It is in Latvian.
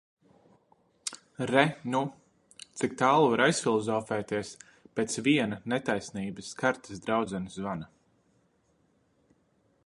Re nu, cik tālu var aizfilozofēties pēc viena netaisnības skartas draudzenes zvana.